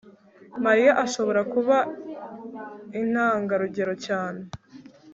mariya ashobora kuba intangarugero cyane